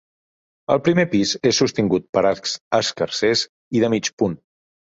El primer pis és sostingut per arcs escarsers i de mig punt.